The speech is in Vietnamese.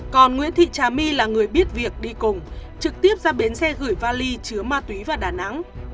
còn nguyễn thị trà my là người biết việc đi cùng trực tiếp ra bến xe gửi vali chứa ma túy vào đà nẵng